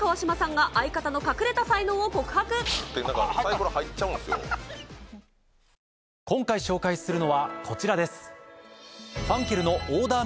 このあと、今回紹介するのはこちらです。